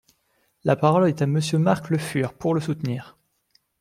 La parole est à Monsieur Marc Le Fur, pour le soutenir.